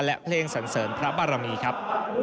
และเพลงสันเสริญพระบารมีครับ